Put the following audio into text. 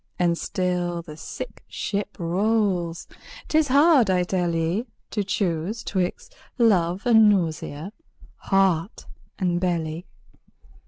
And still the sick ship rolls. 'Tis hard, I tell ye, To choose 'twixt love and nausea, heart and belly.